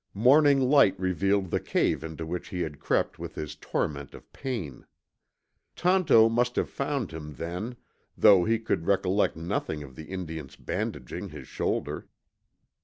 Morning light revealed the cave into which he had crept with his torment of pain. Tonto must have found him then, though he could recollect nothing of the Indian's bandaging his shoulder.